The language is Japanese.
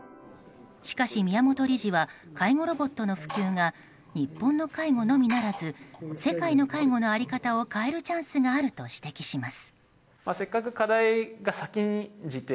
しかし、宮本理事は介護ロボットの普及が日本の介護のみならず世界の介護の在り方を変えるチャンスがあると指摘します。